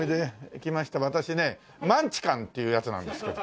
私ねマンチカンというやつなんですけど。